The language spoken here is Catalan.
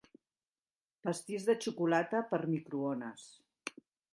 Pastís de xocolata per a microones